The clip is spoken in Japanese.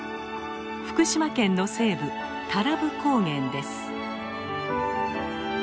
福島県の西部太郎布高原です。